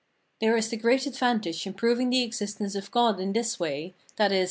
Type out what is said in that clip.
There is the great advantage in proving the existence of God in this way, viz.